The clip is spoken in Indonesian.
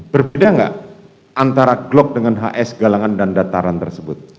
berbeda nggak antara glock dengan hs galangan dan dataran tersebut